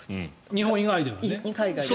日本以外ではね。